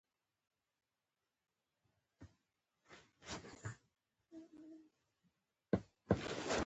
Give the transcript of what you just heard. ټول یې په کورونو کې دیوان لولي او فالونه ګوري.